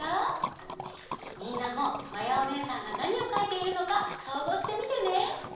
みんなもまやおねえさんがなにをかいているのかそうぞうしてみてね。